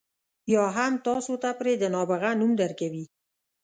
یا هم تاسو ته پرې د نابغه نوم درکوي.